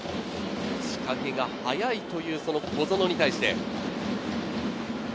仕掛けが早いという小園に対して。